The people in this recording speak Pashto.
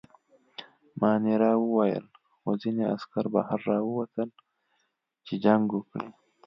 مانیرا وویل: خو ځینې عسکر بهر راووتل، چې جنګ وکړي.